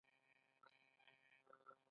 د هرات ښار د هرات مرکز دی